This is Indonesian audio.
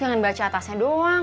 jangan baca tasnya doang